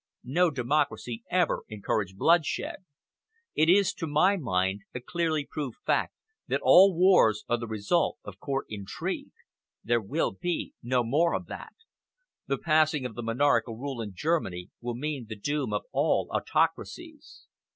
No democracy ever encouraged bloodshed. It is, to my mind, a clearly proved fact that all wars are the result of court intrigue. There will be no more of that. The passing of monarchical rule in Germany will mean the doom of all autocracies."